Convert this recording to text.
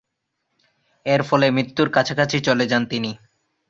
এর ফলে মৃত্যুর কাছাকাছি চলে যান তিনি।